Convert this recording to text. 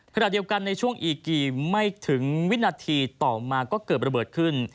ขณะเดียวกันในช่วงอีกกี่ไม่ถึงวินาทีต่อมาก็เกิดระเบิดขึ้น